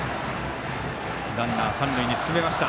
ランナー三塁に進めました。